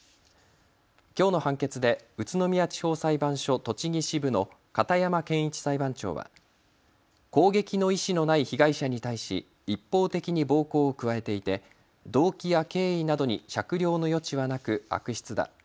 きょうの判決で宇都宮地方裁判所栃木支部の片山憲一裁判長は攻撃の意思のない被害者に対し一方的に暴行を加えていて動機や経緯などに酌量の余地はなく悪質だ。